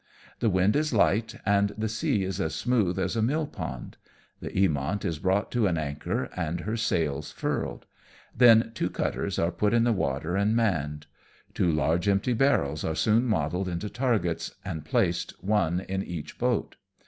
The wind is light, and the sea is as smooth as a mill pond. The Eamont is brought to an anchor, and her sails furled ; then two cutters are put in the water and manned. Two large empty barrels are soon modelled into targets, and placed one in each boat.